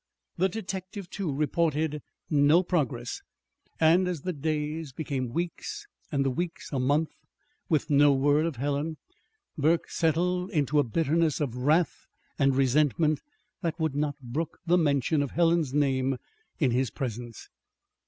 The detective, too, reported no progress. And as the days became weeks, and the weeks a month, with no word of Helen, Burke settled into a bitterness of wrath and resentment that would not brook the mention of Helen's name in his presence.